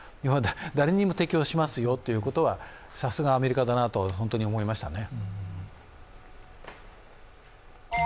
誰にも適用しますよということはさすがアメリカだなと思いましたね。